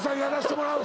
てもらう